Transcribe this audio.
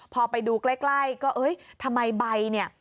พอไปดูใกล้ก็เอ้ยทำไมใบเนี่ย